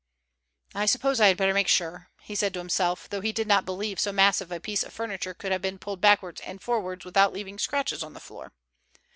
"I suppose I had better make sure," he said to himself, though he did not believe so massive a piece of furniture could have been pulled backwards and forwards without leaving scratches on the floor.